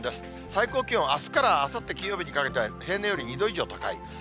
最高気温、あすからあさって金曜日にかけては平年より２度以上高い。